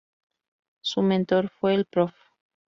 Su mentor fue el Prof.